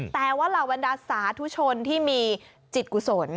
แต่ว่าหลวนดาสาทุชนที่มีจิตกุศล